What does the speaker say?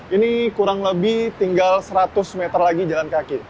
ini kurang lebih tinggal seratus meter lagi jalan kaki